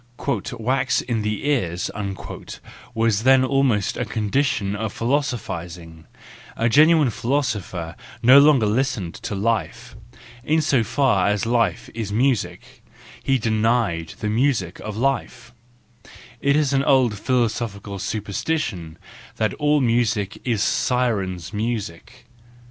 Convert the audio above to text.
" Wax in the ears," was then almost a WE FEARLESS ONES 337 condition of philosophising; a genuine philosopher no longer listened to life, in so far as life is music, he denied the music of life—it is an old philoso¬ phical superstition that all music is Sirens' music.